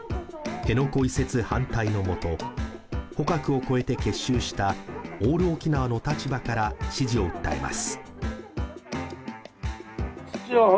辺野古移設反対のことを保革を超えて結集したオール沖縄の立場から支持を訴えます